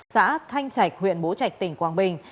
xã thanh trạch huyện bố trạch tỉnh quảng bình